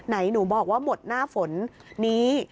หนูบอกว่าหมดหน้าฝนนี้